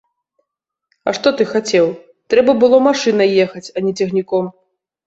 А што ты хацеў, трэба было машынай ехаць, а не цягніком.